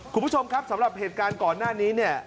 คุณผู้ชมครับสำหรับเหตุการณ์ก่อนหน้านี้เนี่ย